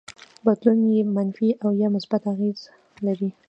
بدلون يې منفي او يا مثبت اغېز لري.